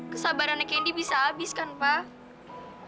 kesabarannya kendi bisa abis kan pak